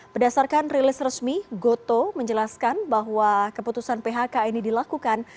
berdasarkan rilis resmi goto menjelaskan bahwa keputusan phk ini dilakukan